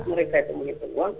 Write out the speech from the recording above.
menurut saya itu menghitung uang